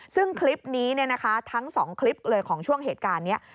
ซึ่งคลิปนี้ทั้ง๒คลิปเลยของช่วงเหตุการณ์นี้